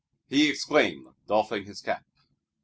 he exclaimed, doffing his cap.